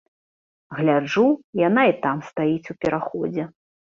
Гляджу, яна і там стаіць у пераходзе.